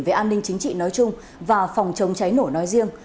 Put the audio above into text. về an ninh chính trị nói chung và phòng chống cháy nổ nói riêng